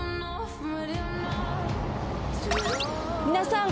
皆さん。